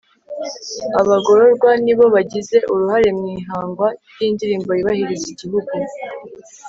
abagororwa nibo bagize uruhare mu ihangwa ry'indirimbo yubahiriza igihugu